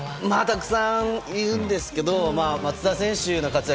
たくさんいるんですけど松田選手の活躍